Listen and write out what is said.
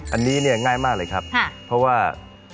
อันนี้เนี่ยง่ายมากเลยครับเพราะว่า